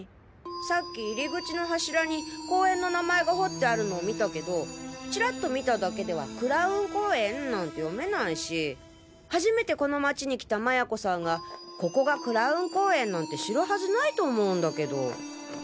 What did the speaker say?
さっき入り口の柱に公園の名前が彫ってあるのを見たけどチラッと見ただけでは蔵雲公園なんて読めないし初めてこの街に来た麻也子さんがここが蔵雲公園なんて知るはずないと思うんだけど。